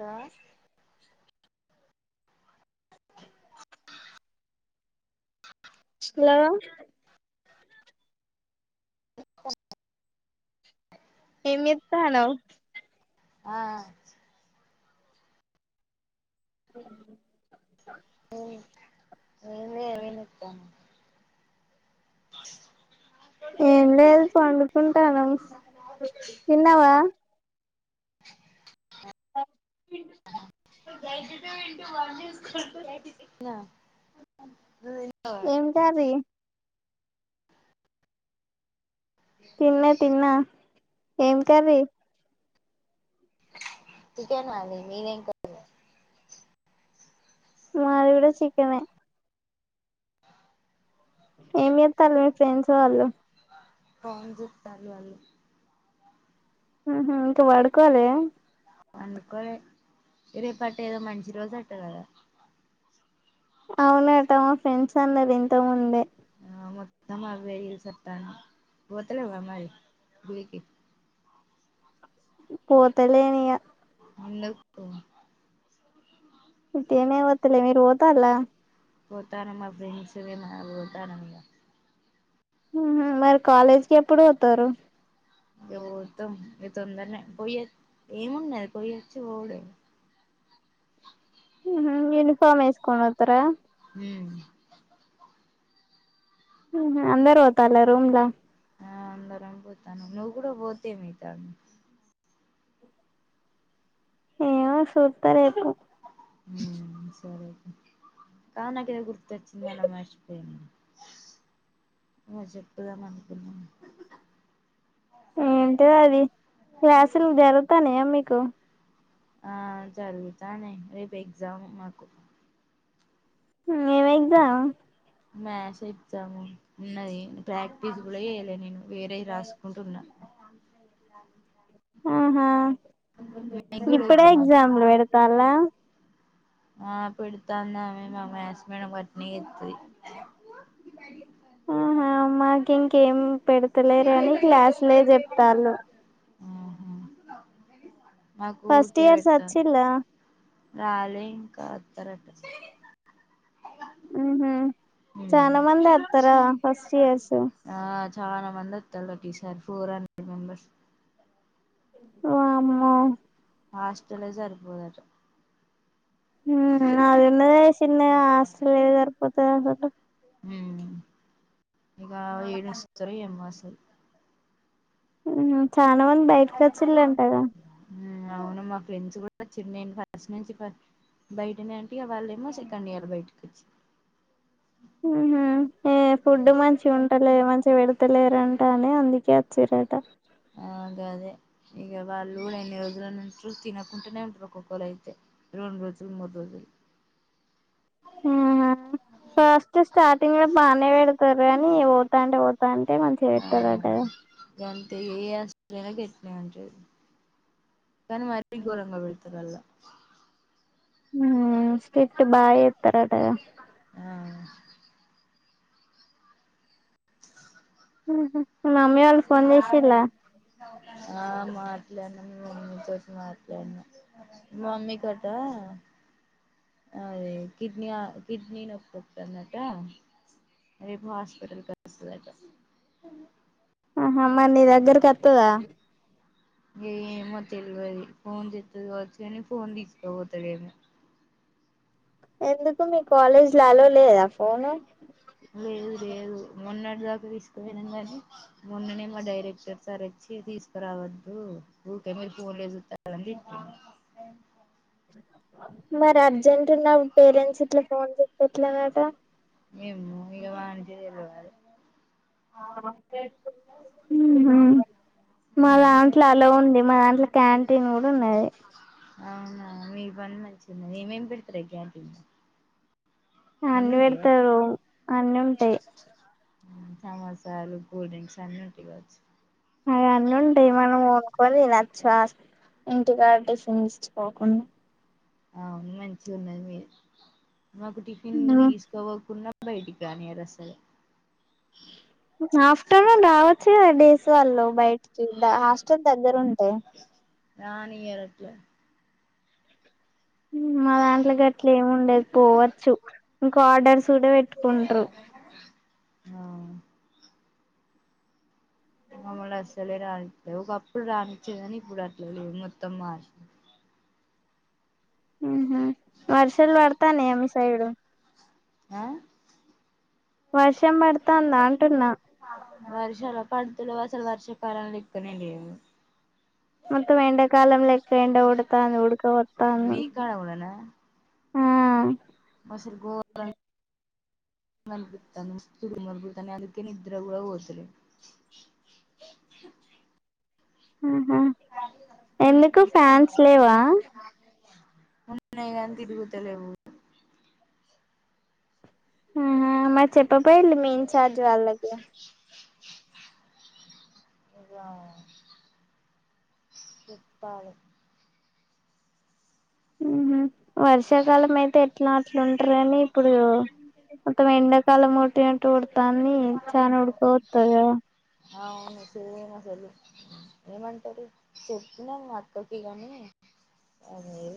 రా హలో [inaudible] ఏమి జెత్తనావ్ ఆ అ [unintelligible] [unintelligible] అ [inaudible] ఏం లేదు పండుకుంటానము తిన్నావా eighty two into [unintelligible] school eight కి ఎం కర్రీ తిన్నా తిన్నా ఏం కర్రి చికెన్ మాది మాది కూడా చికెన్ ఏ అ [inaudible] ఏం యెత్తాల్లు మీ ఫ్రెండ్స్ వాళ్ళు ఫోన్ జూత్తాన్లు వాళ్లు ఊహూ ఇంక బడుకోలేదా పండుకోలే రేపట్టేదో మంచి రోజట గదా అవునటా ఫ్రెండ్సన్నరింతకముందే ఆ మొత్తమవ్వే రీల్సత్తాన్నై పోతలేవ్వా మరి గుడికి పోతలేనిగ ఎందు కూ ఉట్టిగనే వోతలే మీరు వోతాల్లా పోతాన్న మా ఫ్రెండ్సూ మా బోతానమిగ ఊహూ మరి కాలేజ్కెప్పుడు వోతరూ ఇగ వోతం ఇగ తొందర్నే పొయ్యో ఏమున్నద్ పొయ్యొచ్చి వోవుడే గద ఊహూ యునిఫామ్ ఎస్కోకోనత్తరా ఉ అహా అందరు వోతాళ్ళా రూమ్ల ఆ అందరం బోతానం నువ్ గుడ బోతేమైతాంది ఏమో సూత్త రేపు ఊ సరే తి కాద్ నాకేదో గుర్తొచ్చింది మళ్ళా మర్శిపోయినా ఆ చెప్పుదామనుకున్నా అంటే అది క్లాసులు జరుగుతాన్నయా మీకూ ఆ జరుగుతానై రేపెగ్జామ్ మాకు ఏం ఎగ్జామ్ మ్యాసెగ్జాము ఉన్నదీ ప్రాక్టీసు గుడ యెయ్యలే నేను వేరేయి రాసుకుంటున్న ఆహా మీకు కూడా గిప్పుడే ఎగ్జామా ఎగ్జామ్లు వెడుతాల్లా ఆ పెడుతాందామె మా మ్యాస్ మేడం గట్నే యేత్తది ఆహా మాకింకేం పెడుతలేరు గని క్లాస్లే జెప్తాల్లు ఊహూ ఫస్ట్ మాకూకె ఇయర్స్ వెడుతాంది వచ్చిలా రాలే ఇంకా అత్తరట ఉహూ ఉమ్ చానా మందే అత్తరా ఫస్ట్ ఇయర్సు ఆ చానా మందొత్తరు ప్రతీసారీ ఫోర్ హండ్రెడ్ మెంబర్స్ వామ్మో హాస్టలే జరిపోదట ఊ అదున్నదే శిన్నగా ఆ హాస్టలేడ జరిపోతదనుకున్రు మ్మ్ ఇగా ఏడుంచుతారో ఏమో అస్సలు ఊ చానా మంది బయటికొచ్చిళ్ళంటగా ఊ అవును మా ఫ్రెండ్స్ గూడొచ్చిలు నేన్ ఫస్ట్ నుంచిక్కడ బైటనే అంటిగ వాళ్ళేమో సెకండియర్ బయటికొచ్చి ఉహూ ఆ ఫుడ్డు మంచిగుంటలే మంచిగ బెడుతలేరంట అని అందుకే అచ్చిర్రాట ఆ గదె ఇగ వాళ్లుగూడ ఎన్ని రోజులనుంట్రు తినకుంటనే ఉంట్రొక్కలయితె రొండ్రోజుల్ మూడ్ రోజులు ఆహా ఫస్ట్ స్టార్టింగ్ ల బానే వెడుతరు గనీ వోతాంటే వో తాంటే ఇగ మంచిగ ఆ వెట్టరటగా గంతే ఏ [unintelligible] ఐనా గిట్నే ఉంటది కానీ మరీ ఘోరంగా వెడ్తురుల్లా ఊ స్టిట్ బా చెప్తారటగా ఆ మీ మమ్మీ వాళ్ళ ఫోన్ చేసిల్లా ఆ మాట్లాడినా మీ మమ్మీ తోటి మాట్లాడినా మమ్మీ తోటా అదే కిడ్నీ ఆ కిడ్నీ నొప్పొత్తాందట రేపు హాస్పటల్ కొస్తదట ఆహా మరి నీ దగ్గరికొత్తదా ఏ ఏమో తెల్వది ఫోన్ జేత్తాది కావచ్చు గానీ ఫోన్ తీసుకపోతాడేమో ఎందుకు మీ కాలేజ్ లో అలో లేదా ఫోను లేదు లేదు మొన్నటి దాకా తీసుకుపోయినాం కానీ మొన్ననే మా డైరెక్టర్ సార్ వచ్చి తీసుకురావద్దు ఊకే మీరు ఫోన్లే జూత్తారని తిట్టింది మరి అర్జెంటు ఉన్న పేరెంట్స్ ఇట్లా ఫోన్ జేత్తే ఎట్లా నట ఏమో ఇగ వానికే తెలవాలి ఊహా మా దాంట్లో అలో ఉంది మా దాంట్లో క్యాంటీన్ కూడా ఉన్నది అవునా మీ పని మంచిగుది ఏమేం పెడతారే క్యాంటీన్ అన్నీ పెడతారు అన్ని ఉంటాయి ఊ సమోసాలు కూల్డ్ డ్రింక్స్ అన్నీ ఉంటాయి కావచ్చు అవన్నుంటయి మనం కొనుకొని తినచ్చు ఇంటికాడ టిఫిన్స్ చుకోకుండా ఔ మంచిగున్నది మీ మాకు టిఫిన్ తీసు కోబోకున్నా బయటికి రానీయరు అసలు ఆఫ్టర్నూన్ రావచ్చు కదా డేస్ వాళ్ళు బయటికి హాస్టల్ దగ్గరుంటే రానియ్యరు అట్ల మా దాంట్లోకి అట్లా ఏం ఉండదు పోవచ్చు ఇంకా ఆర్డర్స్ కూడా పెట్టుకుంటరు ఆ మామ్మల్ని అస్సలే రానిత్తరు ఒకప్పుడు రానిచ్చేది గాని ఇప్పుడు అట్లా లేవు మొత్తం మారి ఊహూ వర్షాలు బడుతానాయా మీ సైడు ఆ వర్షం పడుతాందా అంటున్నా వర్షాలా పడుతలేవు అసలు వర్షాకాలం లెక్కునండి మొత్తం ఎండకాలం లెక్క ఎండ గొడతాంది ఉడుక బోత్తాంది టవులనా అసలు ఘొ రన్ [unintelligible] తిని నిద్ర కూడా పోతలే ఊహూ ఎందుకు ఫ్యాన్స్ లేవా ఉన్నాయి గానీ తిరుగుతలేవు ఆహా మరి చెప్పకపోయల్లు మీ ఇన్ఛార్జ్ వాళ్ళకి ఇగా చెప్పాలి ఊహూ వర్షాకాలం అయితే ఎట్లా అట్లుంటరు గానీ ఇప్పుడు మొత్తం ఎండ [unintelligible] ఉడుకోతది కదా ఆ అవును [unintelligible] ఏమంటారు చెప్తున్నాను అక్కకి గానీ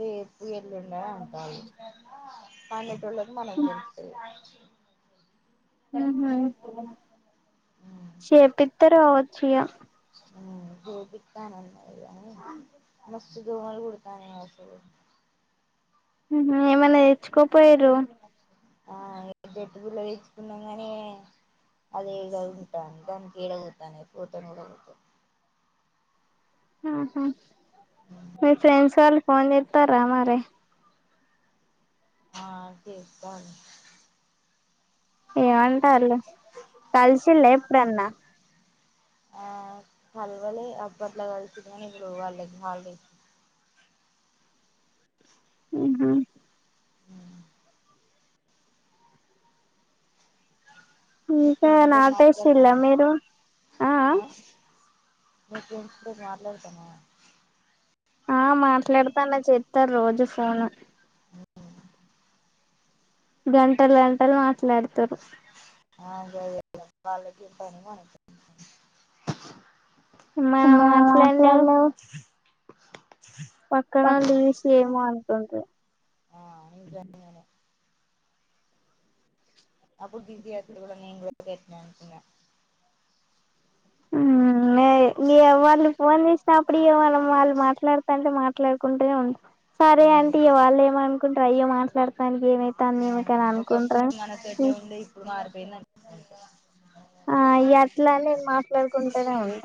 రేపు ఎల్లుండ అంటల్లు [unintelligible] మనకు తెలుస్తది చేపిస్తే రావచ్చు ఇగ [unintelligible] మస్తు దొమలు [unintelligible] [unintelligible] ఏమన్నా తెచ్చుకోపోయారు [unintelligible] తేచ్చుకున్నాం కానీ [unintelligible] ఉంటాను దానికి [unintelligible] ఆహ మీ ఫ్రెండ్స్ వాళ్ళు ఫోన్ చేస్తరా మరి ఆ చేస్తాను ఏమంటారులే కలిసిళ్ళ ఎప్పుడన్న ఆ కల్వలే [unintelligible] కలిసింది కాని [unintelligible] ఆహా ఉ ఇంకా నాటేసిల్లా మీరు ఆ ఆ [unintelligible] మీ ఫ్రెండ్స్ తో మాట్లాడ్తన్నవ ఆ మాట్లాడతాన్న చెతరు రోజు ఫోను ఆ గంటలు గంటలు మాట్లాడతరు ఆ గదే వాళ్లకి [unintelligible] మనం మాట్లాడినవి [unintelligible] పక్కన పక్ లీవ్స్ ఏమో అనుకుం [unintelligible] ఆ ఇదే అప్పుడు బిజీ అత్తుంది నేన్ కూడ [unintelligible] ఊ మే మీ అవాళ్ళు ఫోన్ చేసినప్పుడు యో వాల్ వాళ్ళు మాట్లా వాళ్ళు మాట్లాడుకుంటేనే [unintelligible] సరే అంటీ వాళ్ళు ఏమనుకుంటా అయ్యో మాట్లాడతానికి ఏమై ఆ ఒకప్పుడు మన తోటే ఉం [unintelligible] ఇప్పుడు మారిపోయిందనుకుంటారు అంతే ఆ అట్లనే మాట్లాడుకుంటనే ఉంట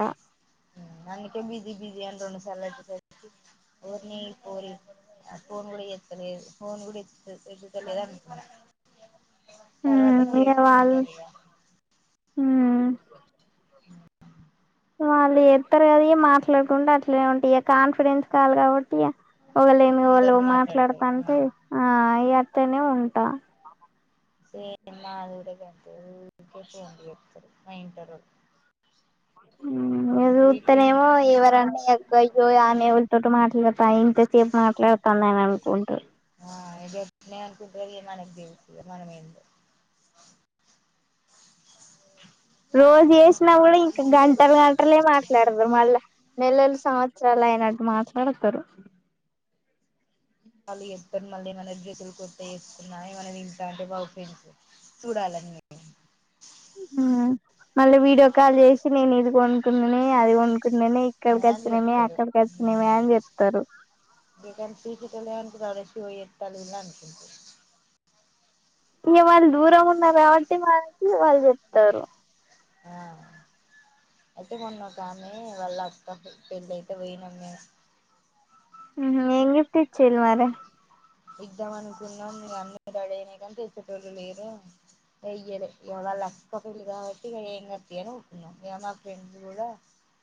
అందుకే బిజీ బిజీ అని రొండు సార్లు వచ్చే సరికీ ఓర్నీ పోరి ఫోన్ కూడ ఎత్త లేదు ఫోన్ కూడ ఎత్తత ఎత్త త లేద అనుకున్న చెప్పినవు కదా ఇగ [unintelligible] [unintelligible] వాళ్ళు ఎత్తరనీ మాట్లాడుకుంటే అట్లే ఉంట కాన్ఫిరెన్స్ కాల్ కాబట్టి వాళ్లేమో వాళ్ళు అందరు మాట్లాడతారు మాట్లాడతాంటే ఆ [unintelligible] ఉంట సేమ్ నా [unintelligible] అంతే కదూ ఊరికే ఫోన్లు చేత్తరు మా ఇంటోళ్ళు [unintelligible] వీక్లీ అయ్యో ఆమె [unintelligible] మాట్లు చెప్ప ఇంత సేపు మాట్లాడతాంద అని అనుకుంట ఆ ఎట్ల అనుకుంటరో మనకి తెలుసు మనం ఏందో రోజు చేసిన కూడ ఇంక గంటలు గంటలే మా మల్ల నెలలు సంవత్సరాల అయినట్టు మాట్లాడతరు వాళ్ళు చెప్తరు మళ్ళీ మన గెతులు కొత్త వేసుకున్నా మనది [unintelligible] బాగ ఫ్రెండ్సు చూడలన్ని ఊ మళ్ళీ వీడియో కాల్ చేసి నేను ఇది కొనుకున్నానే అది కొనుకున్నానే ఇక్కడికి అని వచ్చినమే చెప్తారు అక్కడికి వచ్చినమే అని చెప్తరు జగన్ ఫికితల అంటే ఆడచ్చి షో జేతలు వీళ్లు అనుకుంటారు ఇక వాళ్ళు దూరం ఉన్నారు కాబట్టి మనకు ఇగ వాళ్ళు చెప్తరు ఆ అయితే మొన్న ఒకామే వాళ్ళ అక్కకు పెళ్ళి అయితే పోయినాం మేము ఉహు ఏం గిఫ్ట్ ఇచ్చిలు మరి ఇద్దాం అనుకున్నాం కాని పడెయ్యనీకి కానీ తెచ్చేటోళ్ళు లేరు వెయ్యలే ఇక వాల్లక్క పెళ్ళి కాబట్టి ఇక ఏం గాద్ తియ్ అని ఊరకున్నాం ఇక మా ఫ్రెండ్స్ కూడా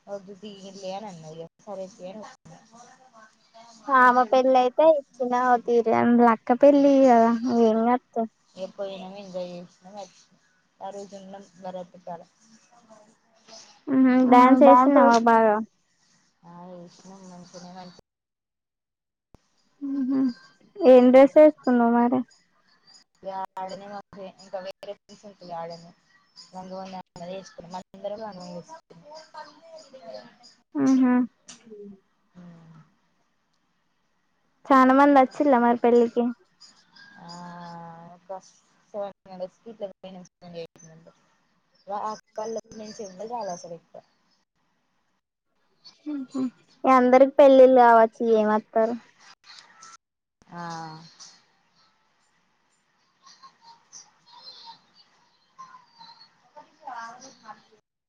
వదు ధీగునిలే అని అన్నది ఇగ సరే తియ్ అని ఊకున్నాం ఆమె పెల్లయితే ఇచ్చినా ఓ తీరే ఇంగ వాళ్ళ అక్క పెళ్లీ కదా ఇంగద్ తియ్ ఏప్పయినం ఎంజయ్ చేసినం అచ్చినం అరుగుతున్నం భరత్ కాడ ఊహు డ్యాన్స్ చేేసినావ బాగ ఆ ఏసినం మంచిగనే మంచి ఊహు ఏం డ్రెస్ వేసుకున్నావు మరి [unintelligible] ఇంకా వేరే టీ షర్ట్ యాడనే లంగావోణీ అన్నది వేసుకున్నాం అందరం లంగావోణీ వేసుకున్నం అహ చాలా మంది వచ్చిండ్రా మరి పెళ్ళికి ఆ ఫస్ట్ సెవెన్ మెంబెర్స్ కి ఇట్ల పోయినం సెవెన్ ఎయిట్ మెంబెర్స్ కి [unintelligible] ఎవల్ రాలె అసలు ఎక్కువ ఊహు ఇగ అందరికి పెళ్ళిళ్ళు కావచ్చు ఇగ ఏమత్తరు ఆ [unintelligible] కార్లు మాకి